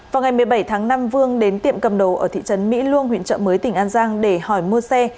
vào ngày một mươi bảy tháng năm vương đến tiệm cầm đồ ở thị trấn mỹ luông huyện trợ mới tỉnh an giang để hỏi mua xe